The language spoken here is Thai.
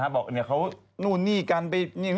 บอกเขานู่นนี่กันไป